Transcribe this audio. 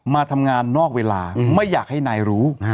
มาทำงานนอกเวลาไม่อยากให้นายรู้